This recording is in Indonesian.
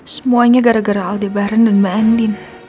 semuanya gara gara aldebaran dan mbak andin